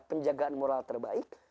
penjagaan moral terbaik